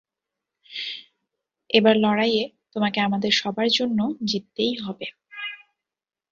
এই লড়াইয়ে তোমাকে আমাদের সবার জন্য জিততেই হবে।